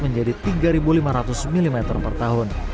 menjadi tiga lima ratus mm per tahun